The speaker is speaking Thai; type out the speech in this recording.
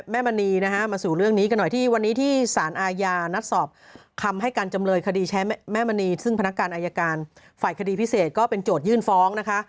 มณีนะฮะมาสู่เรื่องนี้กันหน่อยที่วันนี้ที่สารอาญานัดสอบคำให้การจำเลยคดีแชร์แม่มณีซึ่งพนักงานอายการฝ่ายคดีพิเศษก็เป็นโจทยื่นฟ้องนะคะ